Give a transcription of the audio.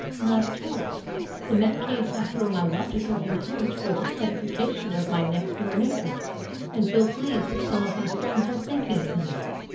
Not at all. In that case I throw my logic over the hedge for the edification of my next door neighbour, and feel pleased that some of my friends are thinking of me.